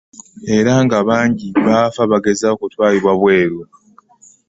Era nga bangi bafa bagezaako kutwalibwa bweru.